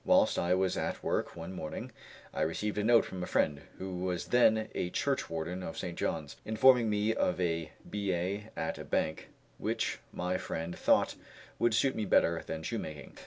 Whilst I was at work one morning I received a note from a friend, who was then a churchwarden of St. John's, informing me of a billet at a bank, which my friend thought would suit me better than shoemaking.